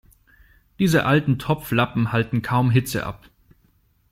Diese alten Topflappen halten kaum Hitze ab.